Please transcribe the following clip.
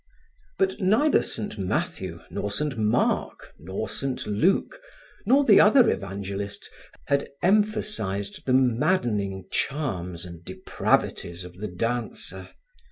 But neither Saint Matthew, nor Saint Mark, nor Saint Luke, nor the other Evangelists had emphasized the maddening charms and depravities of the dancer.